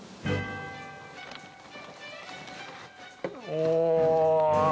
お。